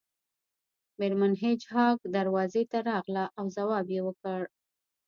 میرمن هیج هاګ دروازې ته راغله او ځواب یې ورکړ